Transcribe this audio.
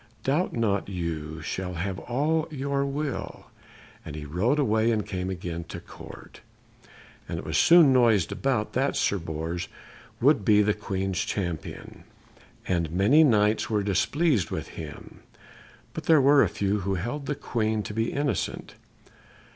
Doubt not you shall have all your will." And he rode away, and came again to the Court. It was soon noised about that Sir Bors would be the Queen's champion, and many Knights were displeased with him; but there were a few who held the Queen to be innocent.